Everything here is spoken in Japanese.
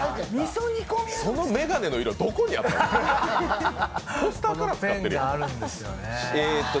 その眼鏡の色、どこにあったん。